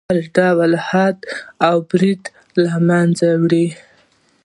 هر ډول حد او برید له منځه وړي.